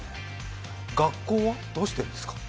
学校はどうしてますか？